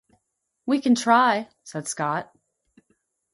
"We can try," said Scott.